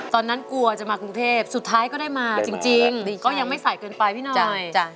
ตอนนั้นกลัวจะมากรุงเทพสุดท้ายก็ได้มาจริงก็ยังไม่ใส่เกินไปพี่หน่อย